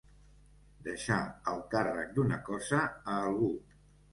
Deixar el càrrec d'una cosa a algú.